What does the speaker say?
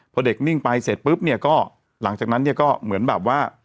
พอเด็กนิ่งไปเสร็จปุ๊บเนี่ยก็หลังจากนั้นเนี่ยก็เหมือนแบบว่า